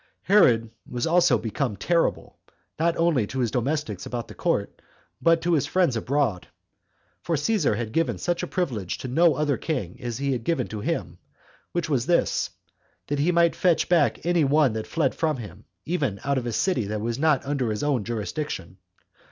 Herod was also become terrible, not only to his domestics about the court, but to his friends abroad; for Caesar had given such a privilege to no other king as he had given to him, which was this, that he might fetch back any one that fled from him, even out of a city that was not under his own jurisdiction.